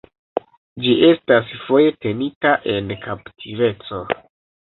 Ĝi estas foje tenita en kaptiveco.